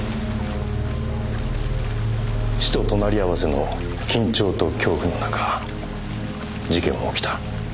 死と隣り合わせの緊張と恐怖の中事件は起きた。